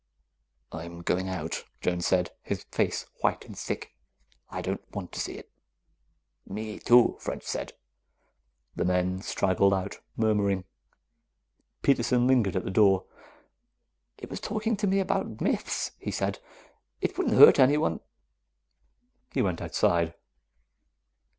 "I'm going out," Jones said, his face white and sick. "I don't want to see it." "Me, too," French said. The men straggled out, murmuring. Peterson lingered at the door. "It was talking to me about myths," he said. "It wouldn't hurt anyone." He went outside.